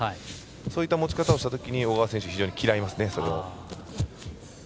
そういった持ち方をしたときに小川選手、嫌いますね。